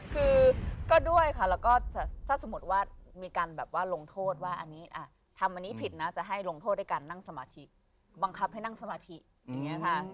คือก็ด้วยค่ะแล้วก็ถ้าสมมติว่ามีการแบบว่าลงโทษว่าอันนี้ทำอันนี้ผิดนะจะให้ลงโทษด้วยการนั่งสมาธิบังคับให้นั่งสมาธิอย่างนี้ค่ะ